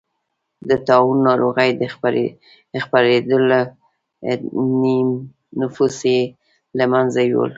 د طاعون ناروغۍ خپرېدل نییم نفوس یې له منځه یووړ.